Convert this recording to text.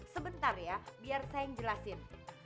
sebentar ya biar saya ngejelasin